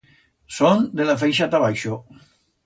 Son de la feixa ta abaixo.